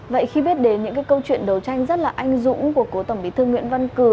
vậy khi biết đến những câu chuyện đấu tranh rất là anh dũng của cổ tổng bí thư nguyễn văn cừ